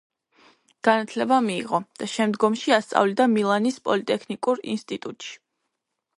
განათლება მიიღო და შემდგომში ასწავლიდა მილანის პოლიტექნიკურ ინსტიტუტში.